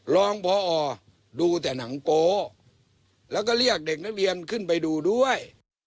รองพอดูแต่หนังโกแล้วก็เรียกเด็กนักเรียนขึ้นไปดูด้วย